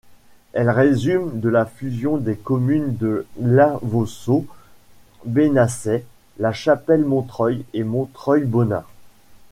Elle résulte de la fusion des communes de Lavausseau, Benassay, La Chapelle-Montreuil et Montreuil-Bonnin.